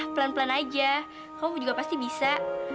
pelan pelan aja kamu juga pasti bisa